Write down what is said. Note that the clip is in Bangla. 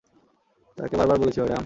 তাকে বারবার বলেছি, ম্যাডাম।